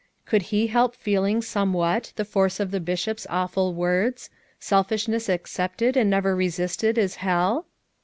Could he help feel ing somewhat the force of the Bishop's awful words :" Selfishness accepted and never resisted is hell?"